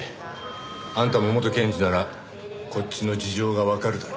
あんたも元検事ならこっちの事情がわかるだろ。